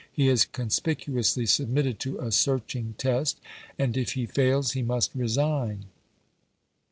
He is conspicuously submitted to a searching test, and if he fails he must resign.